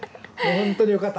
本当によかった。